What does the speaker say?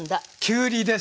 きゅうりです！